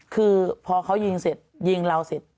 คือพอเขายิงเสร็จยิงเราเสร็จ